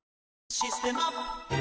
「システマ」